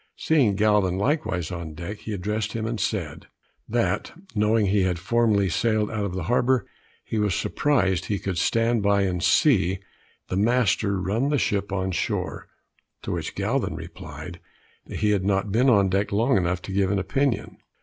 Seeing Galvin likewise on deck, he addressed him and said "that, knowing he had formerly sailed out of the harbor, he was surprised he could stand by and see the master run the ship on shore," to which Galvin replied "that he had not been on deck long enough to give an opinion."